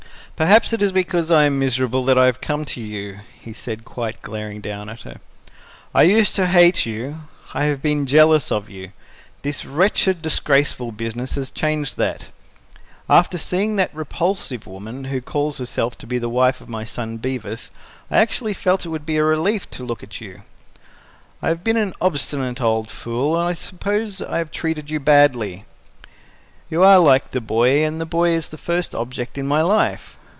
"Perhaps it is because I am miserable that I have come to you," he said, quite glaring down at her. "I used to hate you; I have been jealous of you. This wretched, disgraceful business has changed that. After seeing that repulsive woman who calls herself the wife of my son Bevis, I actually felt it would be a relief to look at you. I have been an obstinate old fool, and I suppose I have treated you badly. You are like the boy, and the boy is the first object in my life.